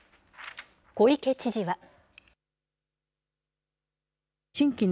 小池知事は。